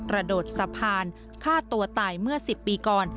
โดดสะพานฆ่าตัวตายเมื่อ๑๐ปีก่อน